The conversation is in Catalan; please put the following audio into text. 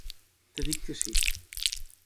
Et dic que sí.